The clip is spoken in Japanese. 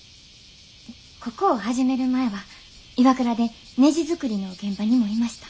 ここを始める前はＩＷＡＫＵＲＡでねじ作りの現場にもいました。